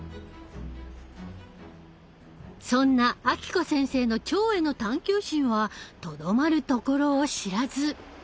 そんな暁子先生の腸への探究心はとどまるところを知らず。